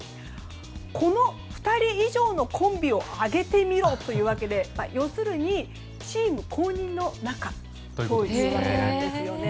この２人以上のコンビを挙げてみろということで要するにチーム公認の仲というわけなんですよね。